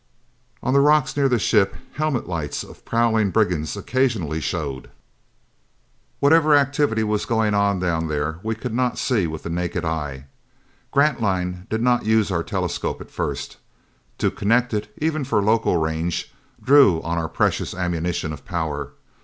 On the rocks near the ship, helmet lights of prowling brigands occasionally showed. Whatever activity was going on down there we could not see with the naked eye. Grantline did not use our telescope at first. To connect it, even for local range, drew on our precious ammunition of power.